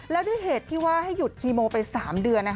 แล้วด้วยเหตุที่ว่าให้หยุดคีโมไป๓เดือน